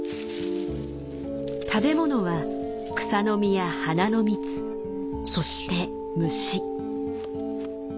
食べ物は草の実や花の蜜そして虫。